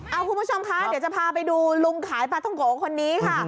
เอาคุณผู้ชมคะเดี๋ยวจะพาไปดูลุงขายปลาท้องโกะคนนี้ค่ะ